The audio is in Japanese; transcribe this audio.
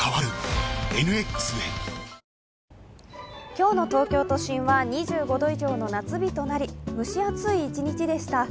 今日の東京都心は２５度以上の夏日となり、蒸し暑い一日でした。